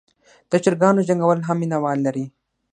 د چرګانو جنګول هم مینه وال لري.